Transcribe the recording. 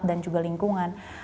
dan juga lingkungan